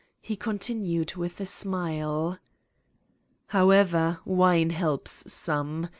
He continued with a smile : "However, wine helps some.